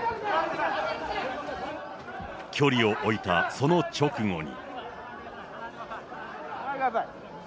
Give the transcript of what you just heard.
距離を置いたその直後に。